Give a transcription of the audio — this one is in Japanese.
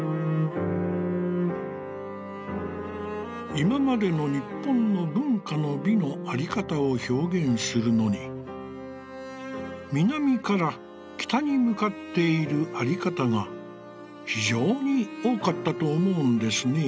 「いままでの日本の、文化の美のあり方を表現するのに、南から北に向かっているあり方が非常に多かったと思うんですね。